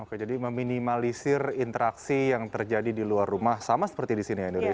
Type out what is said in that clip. oke jadi meminimalisir interaksi yang terjadi di luar rumah sama seperti di sini ya indonesia